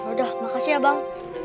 ya udah makasih abang